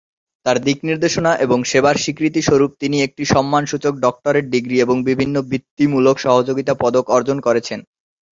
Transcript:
তার দিক নির্দেশনা এবং সেবার স্বীকৃতি স্বরূপ তিনি একটি সম্মানসূচক ডক্টরেট ডিগ্রি এবং বিভিন্ন বৃত্তিমূলক সহযোগিতা পদক অর্জন করেছেন।